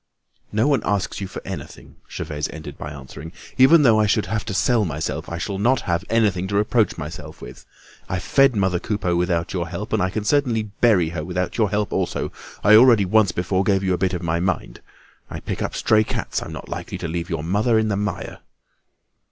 "No one asks you for anything," Gervaise ended by answering. "Even though I should have to sell myself, I'll not have anything to reproach myself with. I've fed mother Coupeau without your help, and I can certainly bury her without your help also. I already once before gave you a bit of my mind; I pick up stray cats, I'm not likely to leave your mother in the mire."